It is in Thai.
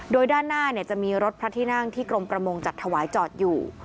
โดยด้านหน้าจะมีรถพระที่นั่งที่กรมประมงจัดถวายจอดอยู่